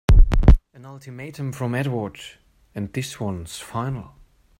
An ultimatum from Edward and this one's final!